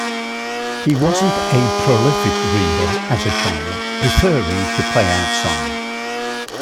He wasn't a prolific reader as a child, preferring to play outside.